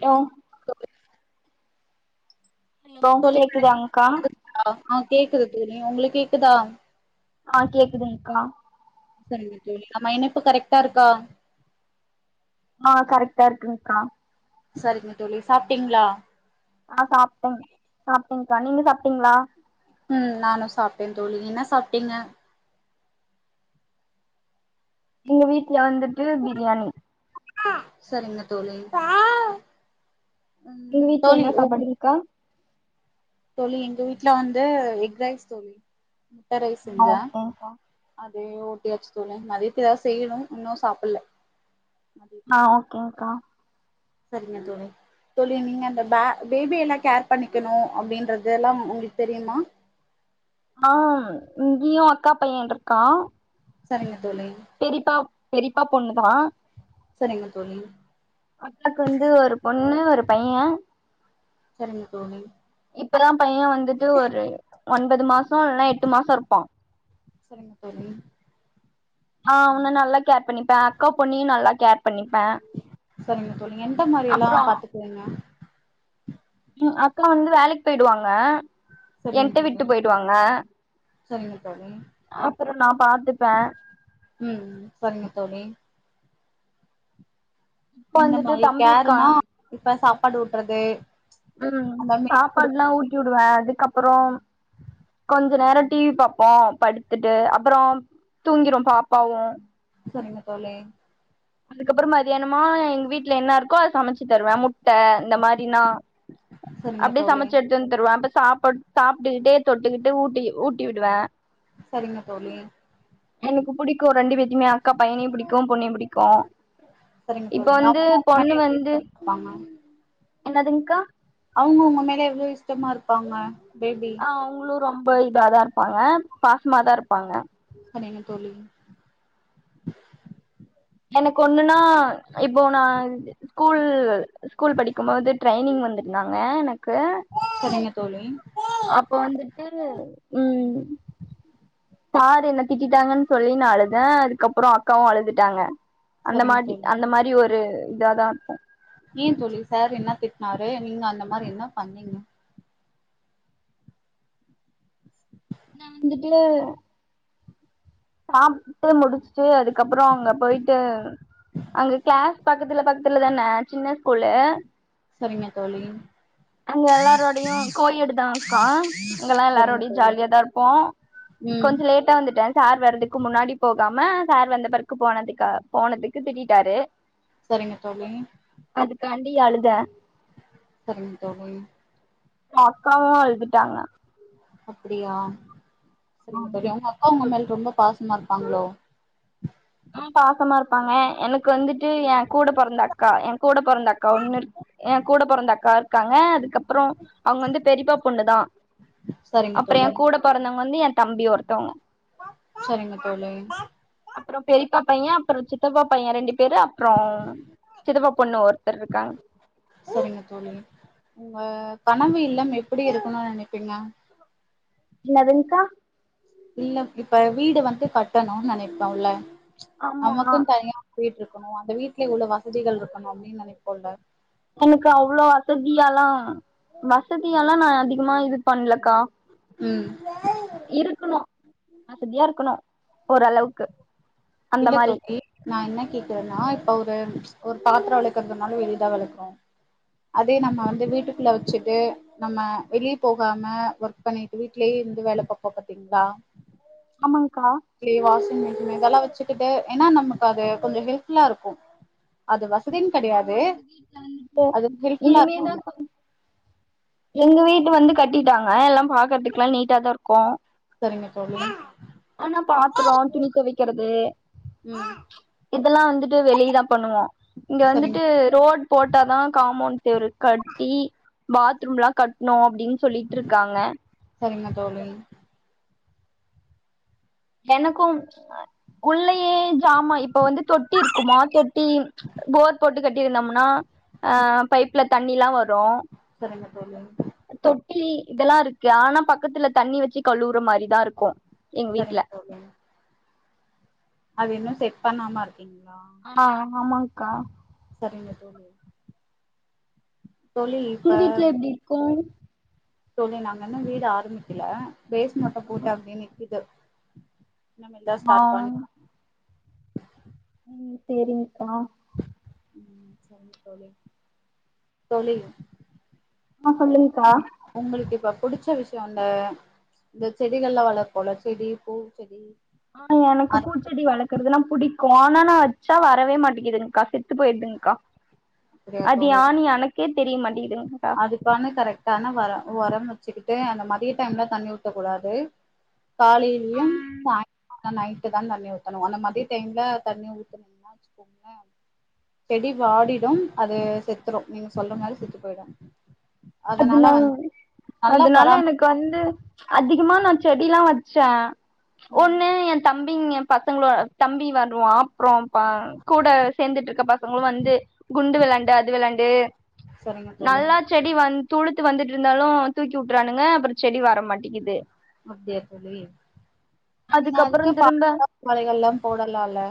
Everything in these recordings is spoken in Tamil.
லோ சொல்லு ஹலோ சொல்லி கேக்குதாங்க்கா [inaudible] ஆ கேக்குது தோழி உங்களுக் கேக்குதா ஆ கேக்குதுங்க்கா சரிங்க தோழி நம்ம இனைப்பு கரெக்ட்டா இருக்கா ஆ கரெக்ட்டா இருக்குங்க்கா சரிங்க தோழி சாப்ட்டீங்ளா ஆ சாப்ட்டேன் சாப்ட்டேங்க்கா நீங்க சாப்ட்டீங்ளா ம் நானு சாப்ட்டே தோழி இன்னா சாப்ட்டீங்க எங்க வீட்ல வந்துட்டு பிரியாணி சரிங்க தோழி எங்க ம் வீட்ல தோழி என்ன உ சாப்பாடுங்க்கா தோழி எங்க வீட்ல வந்து எக் ரைஸ் தோழி முட்ட ரைஸ் செஞ்ச ஆ ஓகேங்க்கா அதே ஓட்டியாச்சு தோழி மதியத்து ஏதாவது செய்யணு இன்னு சாப்பல்ல ஆ மதியத்துக்கு ஓகேங்க்கா சரிங்க தோழி தோழி நீங்க அந்த பே பேபி எல்லா கேர் பண்ணிக்கனு அப்டின்றது எல்லா உங்களுக்கு தெரியுமா ஆ இங்கயு அக்கா பையன்ருக்கா சரிங்க தோழி பெரிப்பா பெரிப்பா பொண்ணு தா சரிங்க தோழி அக்காக்கு வந்து ஒரு பொண்ணு ஒரு பைய சரிங்க தோழி இப்பதா பைய வந்துட்டு ஒரு ஒன்பது மாசோ இல்லனா எட்டு மாசோ இருப்பா சரிங்க தோழி அ அவன நல்லா கேர் பண்ணிப்ப அக்கா பொண்ணையு நல்லா கேர் பண்ணிப்ப சரிங்க தோழி என்ட மாரி எல்லா பாத்துக்குவீங்க ம் அக்கா வந்து வேலைக்கு போயிடுவாங்க சரிங்க என்ட்ட தோழி விட்டு போயிடுவாங்க சரிங்க தோழி அப்பறோ நா பாத்துப்ப ம் சரிங்க தோழி இப்ப எந்த வந்துட்டு மாரி தம்பி இருக்கா கேருனா இப்ப சாப்பாடு ஊட்றது ம் அந்த மேல் சாப்பாட்ல்லா குடுக்குறது ஊட்டிவிடுவே அதுக்கப்பறோம் கொஞ்ச நேர டிவி பாப்போ படுத்துட்டு அப்றோ தூங்கிரு பாப்பாவு செரிங்க தோழி அதுக்கப்பற மத்தியானமா எங்க வீட்ல என்ன இருக்கோ அத சமச்சி தருவே முட்ட இந்த மாரினா செரிங்க தோ சமச்சு எட்த்து வந் தருவே அப்ப சாப்பட் சாப்ட்டுக்கிட்டே தொட்டுக்கிட்டு ஊட்டி ஊட்டி விடுவ சரிங்க தோழி எனக்கு புடிக்கு ரெண்டு வேத்தேமே அக்கா பையனையு புடிக்கு பொண்ணையு புடிக் கு சரிங்க இப்ப தோழி அவங்க உங்க வந்து மேல பொண்ணு எவ்ளோ வந்து இஷ்டமா இருப்பாங்க என்னதுங்க்கா அவுங்க உங்க மேல எவ்ளோ இஷ்டமா இருப்பாங்க பேபி அவுங்ளு ரொம்ப இதாதா இருப்பாங்க பாசமா தா இருப்பாங்க செரிங்க தோழி எனக்கு ஒண்ணுன்னா இப்போ நா ஸ்கூல்ல்ல ஸ்கூல் படிக்கும் போது ட்ரைனிங் வந்திருந்தாங்க எனக்கு செரிங்க தோழி அப்ப வந்துட்டு ம் சார் என்ன திட்டிட்டாங்கன் சொல்லி நா அழுத அதுக்கப்றோ அக்காவு அழுதுட்டாங்க அந்த சரிங்க மாரி தோழி அந்த மாரி ஒரு இதாதா இருக்கு ஏ தோழி சார் என்ன திட்னாரு நீங்க அந்த மாரி என்ன பண்ணீங்க நா வந்துட்டு சாப்ட்டு முடிச்சுட்டு அதுக்கப்பறோ அங்க போயிட்டு அங்க கிளாஸ் பக்கத்துல பக்கத்துல தானே சின்ன ஸ்கூலு செரிங்க தோழி அங்க எல்லாரோடையு கோயேடு தாக்கா அங்கெல்லா சரிங்க எல்லாரோடையு தோழி ஜாலியாதா இருப்போ ம் கொஞ்சோ லேட்டா வந்துட்டே சார் வர்றதுக்கு முன்னாடி போகாம சார் வந்த பெர்க்கு போனதுக்கா போனதுக்கு திட்டிட்டாரு செரிங்க தோழி அதுக்காண்டி அழுத செரிங்க தோழி அக்காவு அழுதுட்டாங்க அப்டியா செரிங்க தோழி உங்க அக்கா உங்க மேல ரொம்ப பாசமா இருப்பாங்ளோ ஆ பாசமா இருப்பாங்க எனுக்கு வந்துட்டு எ கூட பொறந்த அக்கா எ கூட பொறந்த அக்கா ஒண்ணுருக் ஏ கூட பொறந்த அக்கா இருக்காங்க அதுக்கப்றோ அவுங்க வந்து பெரிப்பா பொண்ணு தா சரிங்க அப்றோ தோழி எ கூட பொறந்தவங்க வந்து எ தம்பி ஒருத்தவுங்க செரிங்க தோழி அப்றோ பெரிப்பா பைய அப்றோ சித் த்தப்பா பைய ரெண்டு பேரு அப்றோ சித்தப்பா பொண்ணு ஒருத்தர் இருக்காங் செரிங்க தோழி உங்க கனவு இல்லம் எப்டி இருக்கணு நெனப்பீங்க என்னதுங்க்கா இல்லம் இப்ப வீடு வந்து கட்டணுன் நெனைப்போல்ல ஆமா நமக்குன் தனியா வீட் இருக்கணு அந்த வீட்ல இவ்ளோ வசதிகள் இருக்கனு அப்டின் நெனைப்போல்ல எனுக்கு அவ்ளோ வசதியாலா வசதியாலா நா அதிகமா இது பண்லக்கா ம் இருக்குணு வசதியா இருக்கணு ஓரளவுக்கு அந்த மாரி எயிட் நா இன்ன கேக்குறனா இப்ப ஒரு ஒரு பாத்ரோ வெளக்கற்துனாலோ வெளிதா வெளக்கோ அதே நம்ம வந்து வீட்டுக்குள்ள வெச்சுட்டு நம்ம வெளிய போகாம ஒர்க் பண்ணிட்டு வீட்லே இருந்து வேல பாப்போ பாத்தீங்ளா ஆமாங்கா ஏ வாஷிங் மிஷின் இதெலா வெச்சுகிட்டே ஏனா நமக்கு அது கொஞ்சோ ஹெல்ப்ஃபுல்லா இருக்கோ அது வசதின் கெடையாது ஆமா எங்க வீட்ல அது [unintelligible] ஃபுல்லா இனிமேதா இருக்குல்ல எங்க வீடு வந்து கட்டிட்டாங்க எல்லா பாக்கற்துக்லா நீட்டா தா இருக்கோ செரிங்க தோழி ஆனா பாத்ரோ துணி துவைக்கிறது ம் இதெலா வந்துட்டு வெளிய தா பண்ணுவோ இங்க சரிங்க வந்துட்டு தோழி ரோட் போட்ட தா காமோண்ட் செவுரு கட்டி பாத்ரூம்லா க ட்னோ அப்டின் சொல்லிட்ருக்காங்க செரிங்க தோழி எனக்கும் உள்ளையே ஜாமா இப்ப வந்து தொட்டி இருக்குமா தொட்டி போர் போட்டு கட்டியிருந்தம்னா ஆ பைப்ல தண்ணிலா வரு செரிங்க தோழி தொட்டி இதெலா இருக்கு ஆனா பக்கத்துல தண்ணி வச்சு கழுற மாரிதா இருக்கு எங் வீட்ல சரிங்க தோழி அது இன்னு செட் பண்ணாம இருக்கீங்ளா ஆ ஆமாங்க்கா செரிங்க தோழி தோழி இப்ப உங்க வீட்ல எப்டி இருக்கோ தோழி நாங்க இன்னோ வீடு ஆரம்பிக்கல பேஸ் மட்டோ போட்டு அப்டே நிக்குது இனிமேல் தா ஆ ஸ்டார்ட் பன் ம் சேரிங்க்கா ம் செரி தோழி தோழி ஆ சொல்லுங்க்கா உங்குளுக்கு இப்ப புடிச்ச விஷ்யோ அந்த இந்த செடிகலா வளர்க்கோல செடி பூ செடி ஆ எனக்கு பூச்செடி வளர்க்கறதெல்லா புடிக்கு ஆனா நா வச்சா வரவே மாட்டிங்கிதுங்க்கா ச செத்து போயிர்துங்க்கா சரியா அது தோழி யானு எனக்கே தெரிய மாட்டிங்குதுங்க்கா அதுக்கான கரெக்டான வர உரம் வச்சிக்கிட்டு அந்த மதிய டைம்ல தண்ணி ஊத்தக்கூடாது காலிலியும் சாய்ங் நைட்டு தா தண்ணி ஊத்தணு அந்த மதிய டைம்ல தண்ணி ஊத்துனங்னா வச்சுக்கோங் க செடி வாடிடும் அது செத்துரு நீங்க சொல்ற மாரி செத்து போயிடு அதனால அதுனால் வந்து நல்லா அதனால பராம எனக் வந்து அதிகமா நா செடிலா வச்சே ம் ஒண்ணு தம்பிங்க பசங்களு தம்பி வருவா அப்புற பா கூட சேர்ந்துட்டு மத்த பசங்களு வந்து குண்டு வெளாண்டு அது வெளாண்டு சரிங்க தோழி நல்லா செடி வந் துலுத்து வந்துட்டு இருந்தாலு தூக்கி உட்றானுங்க அப்பற செடி வர மாட்டிகிது அப்டியா தோழி நீங்க அதுக்கப்றோ அதுக்கு திரும்ப பாதுகாப்பு வலைகள் எல்லா போடலால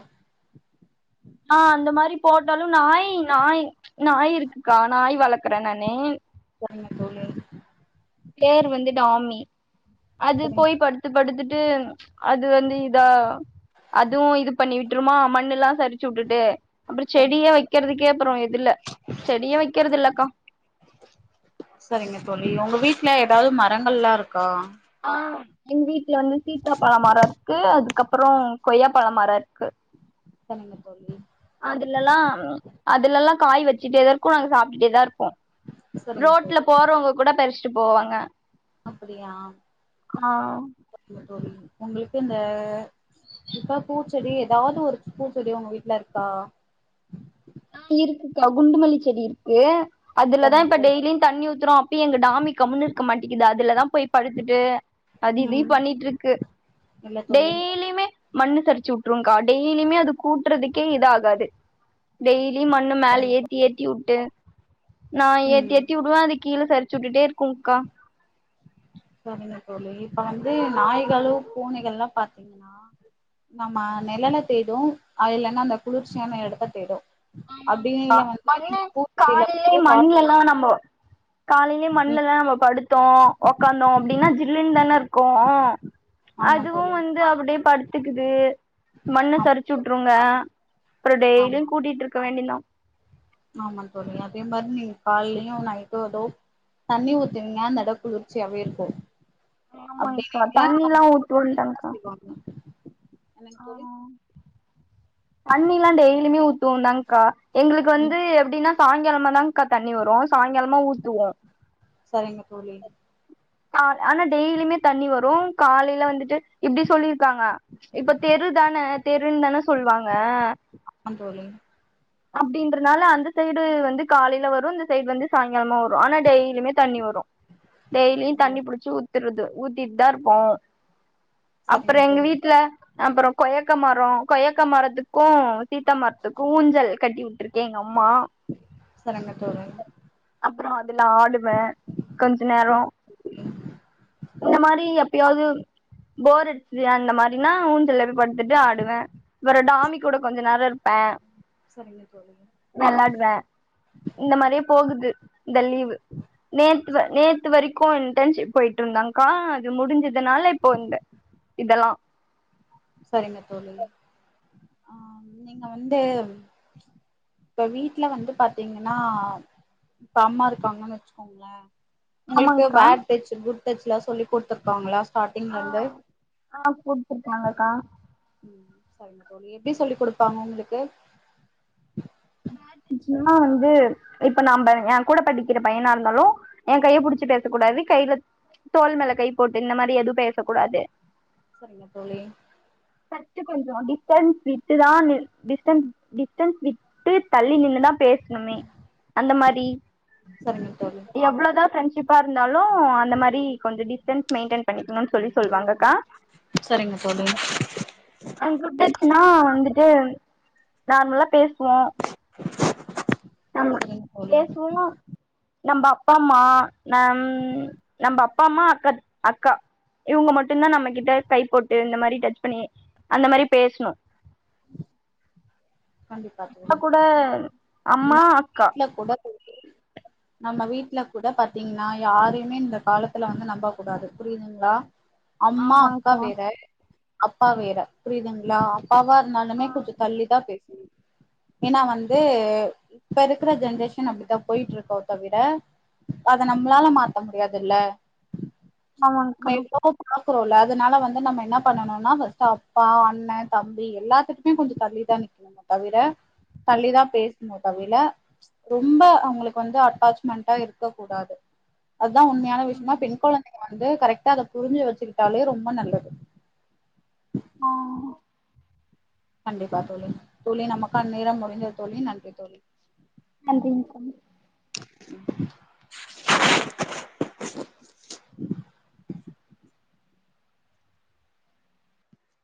ஆ அந்த மாரி போட்டாலு நாய் நாய் நாய் இருக்குக்கா நாய் வளர்க்குற நானு [unintelligible] பேர் வந்து டாமி அது சரிங்க போய் தோழி படுத்து படுத்து ட்டு அது வந்து இதா அதுவு இது பண்ணி விட்ருமா மண்ணுல்லா சரிச் சு உட்டுட்டு அப்புற சரிங்க செடியே வெய்க்கிறதுக்கே அப்புறோ இதுல்ல செடியே வெய்க்கிறதில்லக்கா சரிங்க தோழி உங்க வீட்ல எதாவ்து மரங்கள்லா இருக்கா ஆ எங் வீட்ல வந்து சீத்தாபழ மர இருக்கு அதுக்கப்புறோ கொய்யாபழ மர இருக்கு சொல்லுங்க தோழி அதுலெல்லா அதுலெல்லா காய் வெச்சுட்டேதா இருக்கு நாங்க சாப்ட்டுட்டேதா இருப்போ சரிங்க தோழி ரோட்ல போறவ்ங்க கூட பறிஸ்ட்டு போவாங்க அப்பிடியா ஆ சரிங்க தோழி உங்குளுக்கு இந்த இப்ள பூச்செடி எதாவ்து ஒரு பூச்செடி உங்க வீட்ல இருக்கா ஆ இருக்குக்கா குண்டுமல்லி செடி இருக்கு அதுலதா சரிங்க இப்ப தோழி டெய்லியு தண்ணி ஊத்துறோ அப்பியு எங்க டாமி கம்முன்னு இருக்க மாட்டேக்கிது அதுலதா போய் படுத்துட்டு அது இதி ம் பண்ணிட்ருக்கு இல்ல தோழி மண்ணு சரிச்சு வுட்ருங்கா டெய்லியுமே அது கூட்டுறதுக்கே இது ஆகாது டெய்லி மண்ணு மேல சரிங்க தோழி ஏத்தி ஏத்தி வுட்டு நா ஏத்தி ம் எத்தி வுடுவோ அது கீழ சரிச்சு வுட்டுட்டே இருக்குங்கா சரிங்க தோழி இப்ப வந்து நாய்களு பூனைகள்ல பாத்தீங்கன்னா நம்ம நிழல தேடு அது இல்லன்னா அந்த குளிர்ச்சியான எடத்த தேடு ஆமாங்கா அப்டியில வந்து மண்ணு நீங்க பூச்செடில காலிலே வந்து மண்லெல்லா நம்போ காலைலே ம் மண்லல்லா நம்ம படுத்தோ உக்காந்தோ அப்டின்னா ஜில்லுன் தான இரு க்கு ஆமா அதுவு தோழி வந்து அப்பிடியே படு த்துக்குது மண்ண ஆமா சிரிச்சு தோழி வுட்ருங்க அப்புற ஆமா டெய்லியு கூட்டிட்ருக்க வேண்டிந்தா ஆமா தோழி அதே மாரி நீங் கால்லியு நைட்டோ எதோ தண்ணி ஊத்துவீங்க அந்த எடோ குளிர்ச்சியாவே இருக்கு அப்டி ஆமாங்க்கா நீங்க தண்ணில்லா ஊத்துவன்டங்க்கா [inaudible] என்னங் தோழி ஆ தண்ணில்லா டெய்லிமே ஊத்துவோ தாங்க்கா எங்களுக்கு ம் வந்து எப்டின்னா சாய்ங்காலமதாங்கா தண்ணி வரு சாய்ங்காலமா ஊத்துவோ சரிங்க தோழி கா ஆனா டெய்லிமே தண்ணி வரு காலில வந்துட்டு இப்டி சொல்லியிருக்காங்க இப்ப தெரு தானே தெருன் தான சொல்வாங்க ஆமாந் தோழி அப்டின்றனால அந்த சைடு வந்து காலையில வரு இந்த சைட் வந்து சாய்ங்கால்மா வரு ஆனா டெய்லிமே தண்ணி வரு டெய்லியு தண்ணி சரிங்க புடிச்சி ஊ த்துறது ஊத்திட்தா இருப்போ அப்பற சரிங்க எங்க தோழி வீட்ல அப்புறோ கொய்யக்கா மரோ கொய்யக்கா மரத்துக்கு சீத்தா மர்த்துக்கு ஊஞ்சல் கட்டி வுட்ருக்கு எங்க அம்மா செரிங்க தோழி அப்புறோ அதுலா ஆடுவே கொஞ்ச நேரோ இந்தமாரி எப்பயாவ்து போர் அடிச்சிது அந்த மாரினா ஊஞ்சல்ல போய் படுத்துட்டு ஆடுவே அப்புற டாமி கூட கொஞ்ச நேரோ இருப்பே சரிங்க தோழி வேளாடுவே இந்த மாரியே போகுது இந்த லீவு நேத்த நேத்து வரைக்கும் இன்டர்ன்ஷிப் போயிட்டு இருந்தாங்க க்கா அது முடிஞ்சதுனால இப்போ இந்த இதல்லா சரிங்க தோழி ஆ நீங்க வந்து இப்ப வீட்ல வந்து பாத்தீங்கன்னா இப்ப அம்மா இருக்காங்கன்னு வச்சுக்கோங்களே உங்களுக்கு ஆமாங்க்கா பேட் டச் குட் டச் எல்லாம் சொல்லி குடுத்துருக்காங்களா ஸ்டாடிங்ல ஆ இருந்து ஆ குடுத்துருக்காங்கக்கா உம் சரிங்க தோழி எப்டி சொல்லி குடுப்பாங்க உங்களுக்கு சும்மா வந்து இப்ப நம்ப என் கூட படிக்கற பையனா இருந்தாலு என் கைய புடிச்சு பேச கூடாது கைல தோள் மேல கை போட்டு இந்த மாரி எதும் பேசக்கூடாது சரிங்க தோழி ஃபர்ஸ்ட் கொஞ்ச டிஸ்டன்ஸ் விட்டு தா நி டிஸ்டன்ஸ் டிஸ்டன்ஸ் வி ட்டு தள்ளி நின்னுதா பேசணுமே அந்த மாரி சரிங்க தோழி எவ்வளோ தா ஃப்ரெண்டஷிப்பா இருந்தாலும் அந்த மாரி கொஞ்ச டிஸ்டன்ஸ் மெயின்டயன் பண்ணிக்கணும்ன்ன சொல்லி சொல்லுவாங்கக்கா சரிங்க தோழி அ கூட்டச்சுன்னா வந்துட்டு நார்மலா பேசுவோ நம்ம சரிங்க தோழி பேசுவோமா நம்ம அப்பா அம்மா நம் நம்ப அப்பா அம்மா அக்கா அக்கா இவங்க மட்டு தா நம்ம கிட்ட கை போட்டு இந்த மாரி டச் பண்ணி அந்த மாரி பேசணும் கண்டிப்பா அப்பா தோழி கூட அம்மா நம்ம அக்கா வீட்ல கூட நம்ம வீட்ல கூட பாத்தீங்கன்னா யாரையுமே இந்த காலத்துல வந்து நம்ப கூடாது புரிதுங்களா அம்மா அக்கா ஆமாங்க்கா வேற அப்பா வேற புரிதுங்களா அப்பாவா இருந்தாலுமே கொஞ்ச தள்ளி தா பேச ஏன்னா வந்து இப்ப இருக்கற ஜென்ரேஷன் அப்டித்தா போயிட்டுருக்கோத விட அத நம்மளால மாத்த முடியாதுல்ல நம்ம ஆமாங்க்கா இப்போ பார்க்குறோம்ல அதனால வந்து நம்ம என்ன பண்ணனும்னா பர்ஸ்ட்ட் அப்பா அண்ணன் தம்பி எல்லாத்துக்குமே கொஞ்ச தள்ளி தா நி தவிர தள்ளிதா பேசணும் தவிர ரொம்ப அவங்களுக்கு வந்து அட்டாச்மெண்டா இருக்க கூடாது அதான் உண்மையான விஷயமா பெண் கொழந்தைங்க வந்து கரெக்ட்டா அதை புரிஞ்சு வச்சுக்கிட்டாலேயே ரொம்ப நல்லது ஆ கண்டிப்பா தோழி தோழி நமக்கான நேரம் முடிஞ்சது தோழி நன்றி தோழி நன்றி தோழி